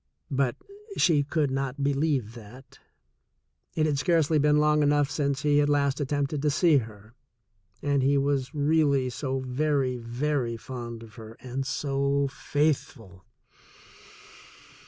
But she could not believe that. It had scarcely been long enough since he had last at tempted to see her, and he was really so very, very fond of her and so faithful.